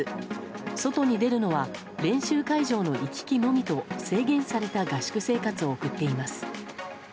外に出るのは練習会場の行き来のみと制限された合宿生活を送っています。